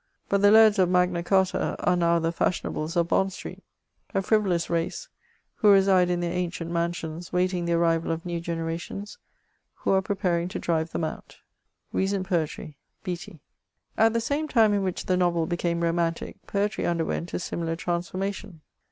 But the lairds i^ Magna Charta are now the Faskionabies of Bond Street ; a frivolous race, who nade in their ancient mansions, waiting the artiral of new generations, who are preparing to drive them out. At the same time in which the novel became romantic^ poetry underwent a similar transformation.